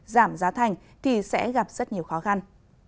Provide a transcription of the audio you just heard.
giảm giá thành thì sẽ gặp rất nhiều khó khăn